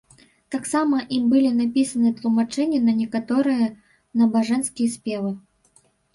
Таксама ім былі напісаны тлумачэнні на некаторыя набажэнскія спевы.